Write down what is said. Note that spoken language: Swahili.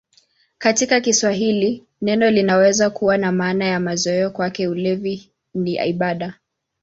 Katika Kiswahili neno linaweza kuwa na maana ya mazoea: "Kwake ulevi ni ibada".